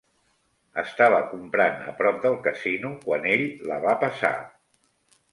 Estava comprant a prop del casino quan ell la va passar.